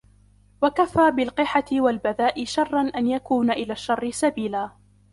وَكَفَى بِالْقِحَةِ وَالْبَذَاءِ شَرًّا أَنْ يَكُونَا إلَى الشَّرِّ سَبِيلًا